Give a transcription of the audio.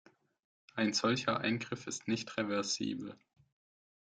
Ein solcher Eingriff ist nicht reversibel.